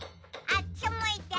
あっちむいて。